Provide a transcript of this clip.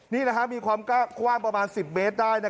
นี่ล่ะครับมีความควานประมาณ๑๐เมตรได้